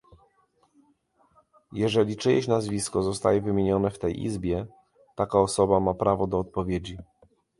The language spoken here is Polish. Jeżeli czyjeś nazwisko zostaje wymienione w tej Izbie, taka osoba ma prawo do odpowiedzi